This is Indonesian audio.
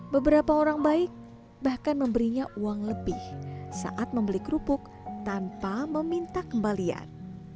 beberapa orang baik bahkan memberinya uang lebih saat membeli kerupuk tanpa meminta kembalian